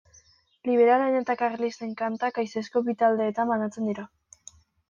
Liberalen eta karlisten kantak haizezko bi taldeetan banatzen dira.